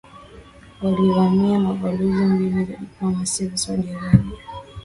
walivamia balozi mbili za kidiplomasia za Saudi Arabia